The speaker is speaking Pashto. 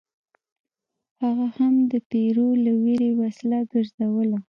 هغه هم د پیرو له ویرې وسله ګرځوله.